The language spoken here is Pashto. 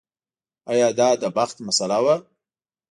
ایا دا د بخت مسئله وه.